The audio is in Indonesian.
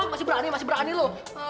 masih berani masih berani loh